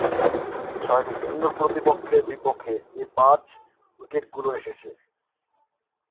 ছয়টি ভিন্ন প্রতিপক্ষের বিপক্ষে এ পাঁচ-উইকেটগুলো এসেছে।